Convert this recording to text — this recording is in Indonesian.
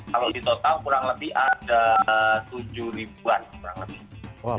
kalau di total kurang lebih ada tujuh ribuan kurang lebih